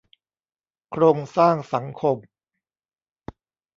โครงสร้างสังคม